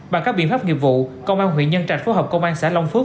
bằng các biện pháp nghiệp vụ công an huyện nhân trạch phối hợp công an xã long phước